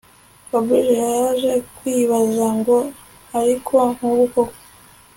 Fabric yaje kwibaza ngo ariko nkubu koko